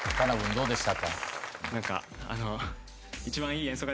どうでしたか？